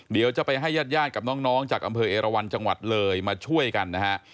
เดี๋ยวจะไปให้ญาติญาติกับน้องจากอำเภอเอราวันจังหวัดเลยมาช่วยกันนะฮะ